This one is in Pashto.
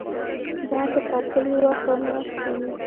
دا په ټاکلي وخت او میاشت کې وي.